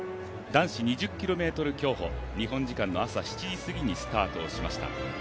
男子２０ｋｍ競歩、日本時間の朝７時すぎにスタートしました。